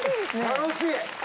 楽しい！